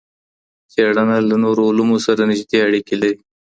څېړنه له نورو علومو سره نږدې اړيکې لري.